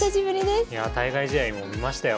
いやあ対外試合も見ましたよ。